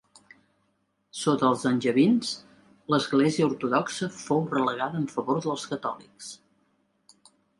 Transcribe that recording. Sota els angevins, l'Església ortodoxa fou relegada en favor dels catòlics.